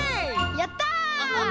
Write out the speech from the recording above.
やった！